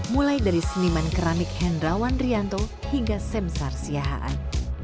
mulai dari seniman keramik hendra wandrianto hingga sem sar siahaan